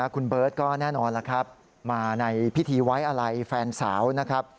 คุณเบิร์ตก็แน่นอนล่ะครับมาในพิธีไว้อะไรแฟนสาวนะครับ